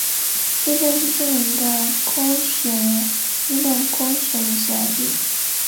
伊顿是著名的公学伊顿公学的所在地。